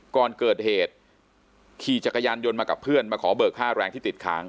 ก่อนเกิดเหตุขี่จักรยานยนต์มากับเพื่อนมาขอเบิกค่าแรงที่ติดค้าง